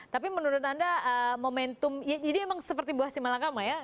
tapi menurut anda momentum ya jadi memang seperti buah simalangkama ya